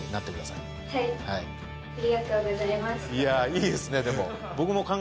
いやいいですねでも。